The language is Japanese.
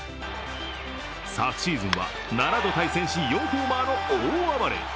昨シーズンは７度対戦し４ホーマーの大暴れ。